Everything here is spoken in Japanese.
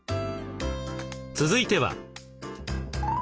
続いては。